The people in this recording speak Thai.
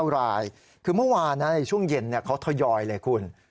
รายคือเมื่อวานในช่วงเย็นเขาทยอยเลยคุณ